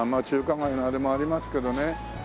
中華街のあれもありますけどね。